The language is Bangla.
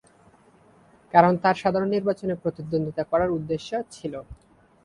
কারণ তার সাধারণ নির্বাচনে প্রতিদ্বন্দ্বিতা করার উদ্দেশ্যে ছিল।